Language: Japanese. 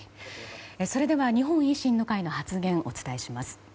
それでは日本維新の会の発言をお伝えします。